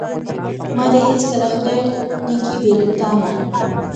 ما دې هیڅکله خدای نه کا بې له تانه.